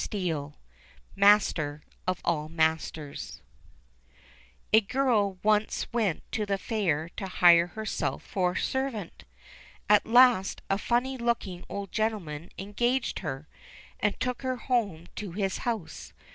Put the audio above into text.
//^ ^>i^ MASTER OF ALL MASTERS A GIRL once went to the fair to hire herself for servant. At last a funny looking old gentleman engaged her, and took her home to his house.